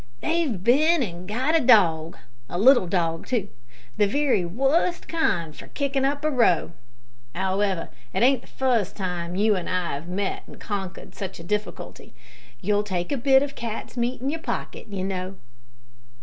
"They've bin an' got a dog a little dog, too; the very wust kind for kickin' up a row. 'Owever, it ain't the fust time you an' I 'ave met an conkered such a difficulty. You'll take a bit of cat's meat in your pocket, you know."